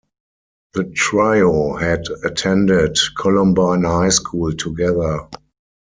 The trio had attended Columbine High School together.